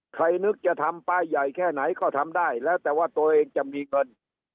นึกจะทำป้ายใหญ่แค่ไหนก็ทำได้แล้วแต่ว่าตัวเองจะมีเงิน